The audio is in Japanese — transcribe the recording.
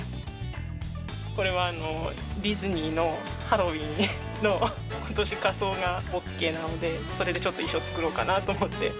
これはディズニーの、ハロウィーンの、ことし仮装がＯＫなので、それでちょっと衣装作ろうかなと思って。